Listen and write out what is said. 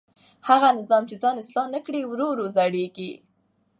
هغه نظام چې ځان اصلاح نه کړي ورو ورو زړېږي